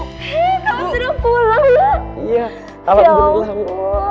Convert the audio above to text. kamu sudah pulang ya